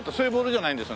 じゃないです。